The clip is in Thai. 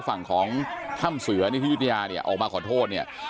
ฝั่งของถ้ำเสือนี่ที่ยุธยาเนี่ยออกมาขอโทษเนี่ย